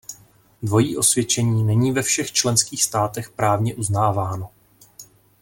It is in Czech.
Dvojí osvědčení není ve všech členských státech právně uznáváno.